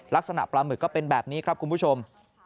ลักษณะปลาหมึกก็เป็นแบบนี้ครับคุณผู้ชม